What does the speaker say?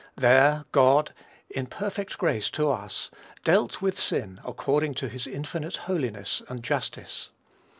There God, in perfect grace to us, dealt with sin according to his infinite holiness and justice.